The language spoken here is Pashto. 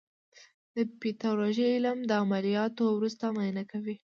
د پیتالوژي علم د عملیاتو وروسته معاینه کوي.